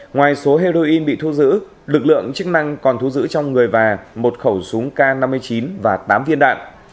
ngoài số heroin bị thu giữ lực lượng chức năng còn thu giữ trong người và một khẩu súng k năm mươi chín và tám viên đạn